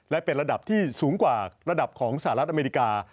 และเป็นระดับที่สูงกว่าระดับของสหรัฐอเมริกา